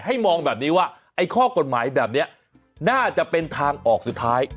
มองแบบนี้ว่าไอ้ข้อกฎหมายแบบนี้น่าจะเป็นทางออกสุดท้าย